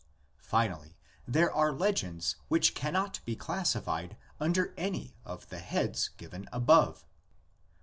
Finally, there are legends which cannot be classi fied under any of the heads given above.